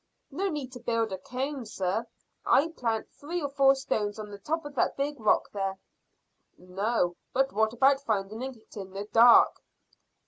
"No need to build a cairn, sir, if I plant three or four stones on the top of that big rock there." "No; but what about finding it in the dark?"